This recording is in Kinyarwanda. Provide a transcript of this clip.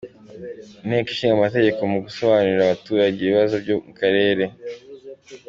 Inteko Ishinga Amategeko mu gusobanurira abaturage ibibazo byo mu karere